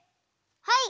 はい！